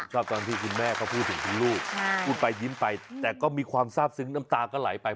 ตอนที่คุณแม่เขาพูดถึงคุณลูกพูดไปยิ้มไปแต่ก็มีความทราบซึ้งน้ำตาก็ไหลไป